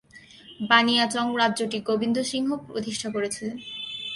বানিয়াচং রাজ্যটি গোবিন্দ সিংহ প্রতিষ্ঠা করেছিলেন।